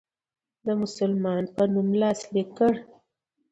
د مسلمان په نوم لاسلیک کړ.